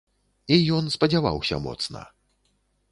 І ён спадзяваўся моцна.